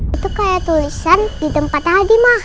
itu kayak tulisan di tempat lagi mah